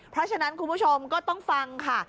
เพราะฉะนั้นคุณผู้ชมก็ต้องฟังค่ะ